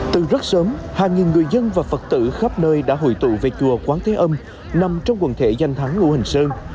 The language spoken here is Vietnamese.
từ rất sớm hàng nghìn người dân và phật tử khắp nơi đã hội tụ về chùa quán thế âm nằm trong quần thể danh thắng ngũ hành sơn